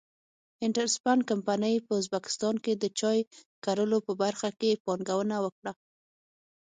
انټرسپن کمپنۍ په ازبکستان کې د چای کرلو په برخه کې پانګونه وکړه.